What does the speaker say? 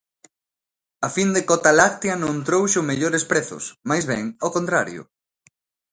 A fin de cota láctea non trouxo mellores prezos, mais ben ao contrario.